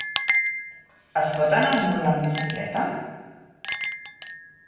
Es pot anar a Murla amb bicicleta?